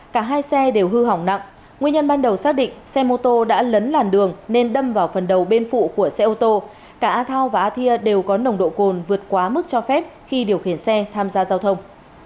cả hai xe đều hư hỏng nặng nguyên nhân ban đầu xác định xe mô tô đã lấn làn đường nên đâm vào phần đầu bên phụ của xe ô tô cả thao và á thi đều có nồng độ cồn vượt quá mức cho phép khi điều khiển xe tham gia giao thông